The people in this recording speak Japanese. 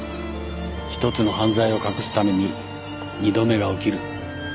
１つの犯罪を隠すために２度目が起きる。